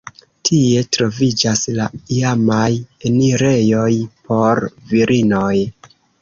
Tie troviĝas la iamaj enirejoj por virinoj.